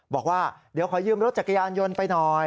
บอกว่าเดี๋ยวขอยืมรถจักรยานยนต์ไปหน่อย